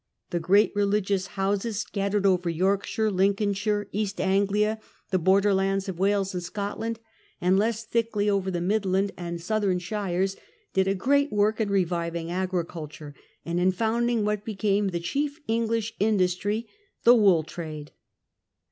The great religious houses scat THE MONASTERIES. I09 tered. over Yorkshire, Lincolnshire, East Anglia, the borderlands of Wales and Scotland, and, less thickly over the midland and southern shires, did Themon a great work in reviving agriculture, and in •■tenes. founding what became the chief English industry, the wool trade.